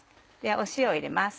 塩入れます。